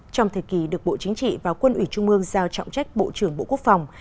trong thời kỳ được bộ chính trị và quân ủy trung mương giao trọng trách bộ trưởng bộ quốc phòng